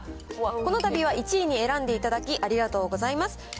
このたびは１位に選んでいただき、ありがとうございます。